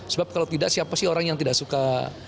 sebab kalau tidak siapa sih orang yang tidak suka